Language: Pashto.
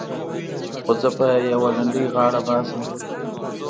خو زه په يوه لنډۍ غاړه باسم.